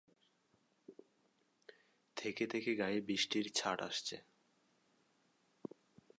থেকে থেকে গায়ে বৃষ্টির ছাঁট আসছে।